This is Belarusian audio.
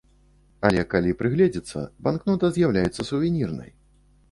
Але калі прыгледзецца, банкнота з'яўляецца сувенірнай.